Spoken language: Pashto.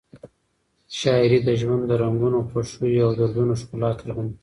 شاعري د ژوند د رنګونو، خوښیو او دردونو ښکلا څرګندوي.